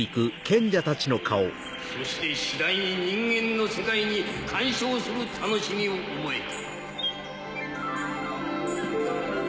そして次第に人間の世界に干渉する楽しみを覚えた。